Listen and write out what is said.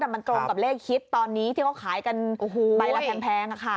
มันตรงกับเลขคิดตอนนี้ที่เขาขายกันไปแพงค่ะ